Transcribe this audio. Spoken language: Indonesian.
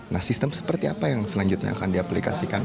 nah sistem seperti apa yang selanjutnya akan diaplikasikan